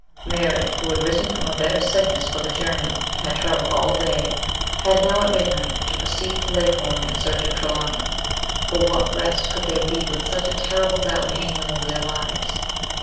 Mary, who had risen from a bed of sickness for the journey, and had travelled all day, had now at midnight to proceed to Leghorn in search of Trelawny ; for what rest could there be with such a terrible doubt hanging over their lives